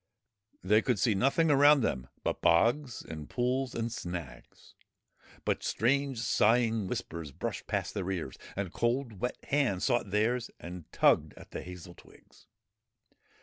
They could see nothing around them but bogs and pools and snags ; but strange sighing whispers brushed past their ears, and cold wet hands sought theirs and tugged at the hazel twigs.